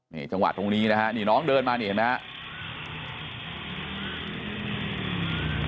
นี่จังหวะตรงนี้นะฮะนี่น้องเดินมานี่เห็นไหมครับ